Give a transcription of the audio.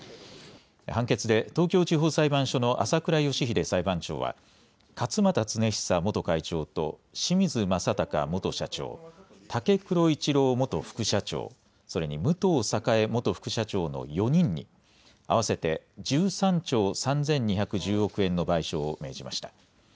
判決で、東京地方裁判所の朝倉佳秀裁判長は、勝俣恒久元会長と清水正孝元社長、武黒一郎元副社長、それに武藤栄元副社長の４人に、合わせて１３兆３２１０億円の賠償を命じました。